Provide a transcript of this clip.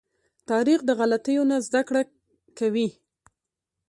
تاریخ د غلطيو نه زده کوي.